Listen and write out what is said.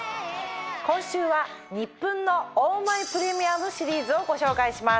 今週はニップンのオーマイプレミアムシリーズをご紹介します。